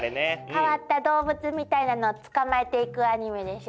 変わった動物みたいなのを捕まえていくアニメでしょ。